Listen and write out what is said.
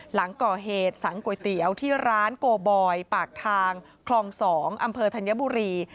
หลังก่อเหตุสังก๋วยเตี๋ยวที่ร้านโกบอยปากทางคลอง๒อำเภอธัญบุรี